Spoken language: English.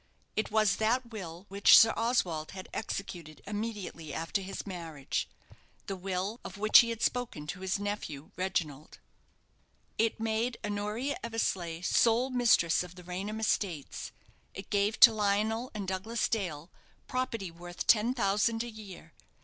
It was that will which Sir Oswald had executed immediately after his marriage the will, of which he had spoken to his nephew, Reginald. It made Honoria Eversleigh sole mistress of the Raynham estates. It gave to Lionel and Douglas Dale property worth ten thousand a year.